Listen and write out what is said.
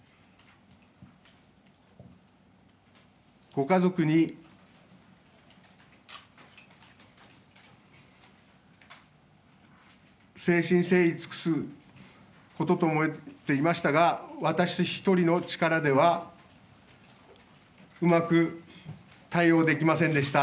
ご家族に誠心誠意尽くすことと思っていましたが私一人の力ではうまく対応できませんでした。